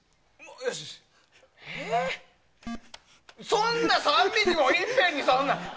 そんな３匹もいっぺんに！